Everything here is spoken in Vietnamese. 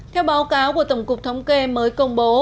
theo báo cáo của tổng cục thống kê mới công bố